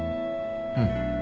うん。